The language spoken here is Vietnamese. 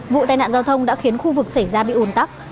vụ tai nạn giao thông đã khiến khu vực xảy ra bị ủn tắc